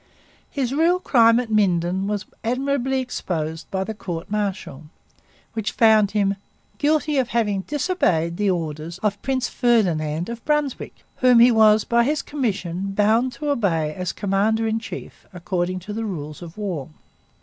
His real crime at Minden was admirably exposed by the court martial which found him 'guilty of having disobeyed the orders of Prince Ferdinand of Brunswick, whom he was by his commission bound to obey as commander in chief, according to the rules of war.'